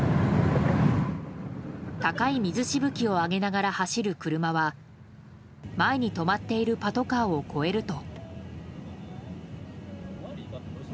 高い水しぶきをあげながら走る車は前に止まっているパトカーを越えると。